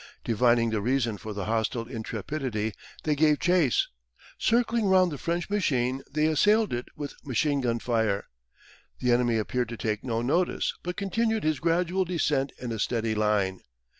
Divining the reason for the hostile intrepidity they gave chase. Circling round the French machine they assailed it with machine gun fire. The enemy appeared to take no notice but continued his gradual descent in a steady line.